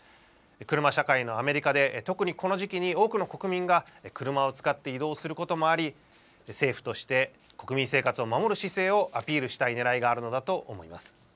車社会のアメリカで、特にこの時期に、多くの国民が車を使って移動することもあり、政府として、国民生活を守る姿勢をアピールしたいねらいがあるのだと思います。